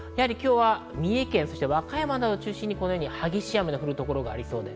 三重県や和歌山などを中心に激しい雨の降る所がありそうです。